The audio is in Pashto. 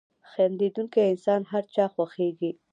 • خندېدونکی انسان د هر چا خوښېږي.